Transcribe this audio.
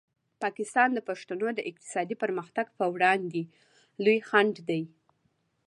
پاکستان د پښتنو د اقتصادي پرمختګ په وړاندې لوی خنډ دی.